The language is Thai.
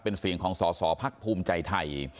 เป็นเสียงของสอสอพักภูมิใจไทย